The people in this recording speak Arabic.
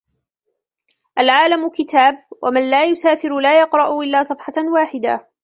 العالم كتاب ، ومن لا يسافر لا يقرأ إلا صفحةً واحدة.